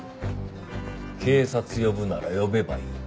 警察呼ぶなら呼べばいい。